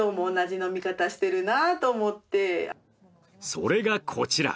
それが、こちら。